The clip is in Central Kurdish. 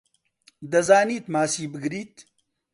دەزانیت ماسی بگریت؟